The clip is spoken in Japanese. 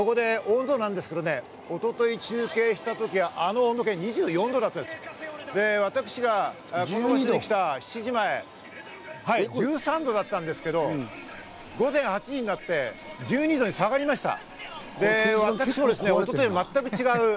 温度なんですけどね、一昨日に中継した時はあの温度計２４度だったんです、私が出てきた７時前、１３度だったんですけど、午前８時になって１２度に下がりました。